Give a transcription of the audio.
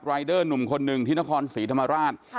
เดอร์หนุ่มคนหนึ่งที่นครศรีธรรมราช